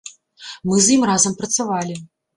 Мы з ім разам працавалі.